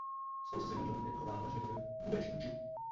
Spolu se svým manželem je pochována na hřbitově v Bubenči.